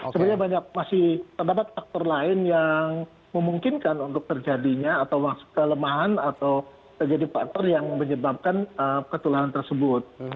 sebenarnya banyak masih terdapat faktor lain yang memungkinkan untuk terjadinya atau kelemahan atau terjadi faktor yang menyebabkan ketularan tersebut